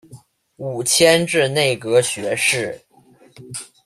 五迁至内阁学士。